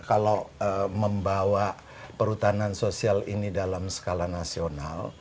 kalau membawa perhutanan sosial ini dalam skala nasional